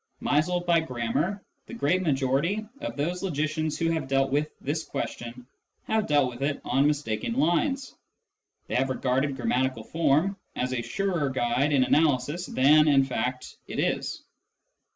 Misled by grammar, the great majority of those logicians who have dealt with this question have dealt with it on mistaken lines. They have regarded grammatical form as a surer guide in analysis than, in fact, it is.